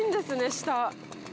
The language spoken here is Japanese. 下。